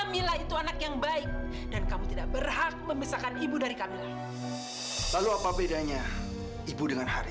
mila nggak bisa ketemu cucu ibu